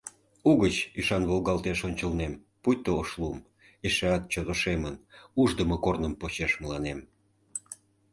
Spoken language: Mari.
Угыч ӱшан волгалтеш ончылнем, пуйто ош лум, эшеат чот ошемын, уждымо корным почеш мыланем.